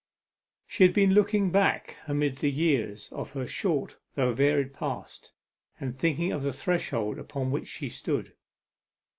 She had been looking back amid the years of her short though varied past, and thinking of the threshold upon which she stood.